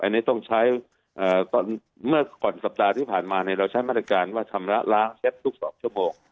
อันนี้ต้องใช้เมื่อก่อนสัปดาห์ที่ผ่านมาเราใช้มาตรการว่าชำระล้างเช็ดทุก๒ชั่วโมง